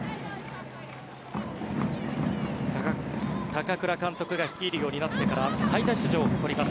高倉監督が率いるようになってから最多出場を誇ります